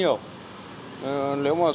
nếu mà xong thì xong